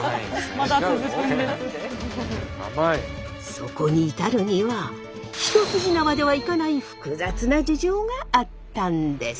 そこに至るには一筋縄ではいかない複雑な事情があったんです。